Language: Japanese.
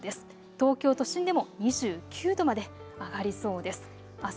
東京都心でも２９度まで上がりそうです。